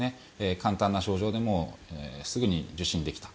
簡単な症状でもすぐに受診できた。